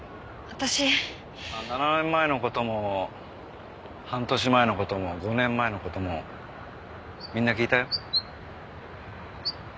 ７年前の事も半年前の事も５年前の事もみんな聞いたよ。